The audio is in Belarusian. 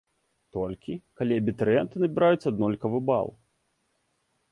Толькі, калі абітурыенты набіраюць аднолькавы бал.